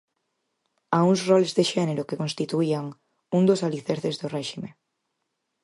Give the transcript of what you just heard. A uns roles de xénero que constituían un dos alicerces do réxime.